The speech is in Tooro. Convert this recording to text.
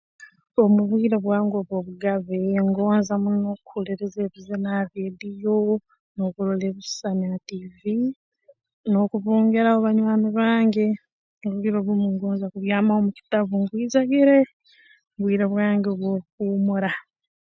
Omu bwire bwange bw'obugabe ngonza muno kuhuliriza ebizina ha rrediyo n'okurora ebisisani ha tiivi n'okubungiraho banywani bange obwire obumu ngonza kubyaamaho mu kitabu nkwijagire mu bwire bwange obw'okuhuumura